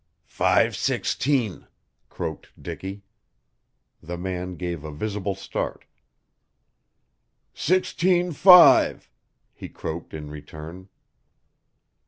"Five sixteen," croaked Dicky. The man gave a visible start. "Sixteen five," he croaked in return.